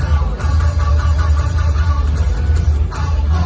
จะปล่อยได้งานใส่คอยแล้วโห